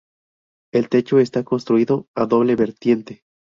El techo está construido a doble vertiente.